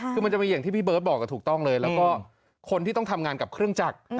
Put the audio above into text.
คือมันจะมีอย่างที่พี่เบิร์ตบอกถูกต้องเลยแล้วก็คนที่ต้องทำงานกับเครื่องจักร